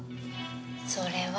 それは。